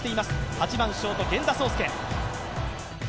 ８番ショート・源田壮亮。